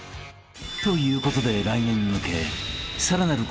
［ということで来年に向け］